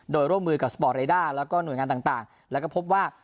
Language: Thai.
โดยร่วมมือกับสปอร์ตเรด้าแล้วก็หน่วยงานต่างแล้วก็พบว่า